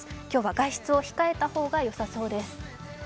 今日は外出を控えた方がよさそうです。